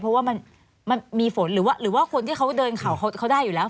เพราะว่ามันมีฝนหรือว่าคนที่เขาเดินเขาได้อยู่แล้ว